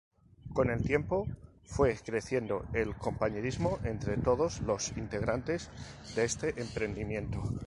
Con el tiempo fue creciendo el compañerismo entre todos los integrantes de este emprendimiento.